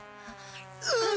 うん！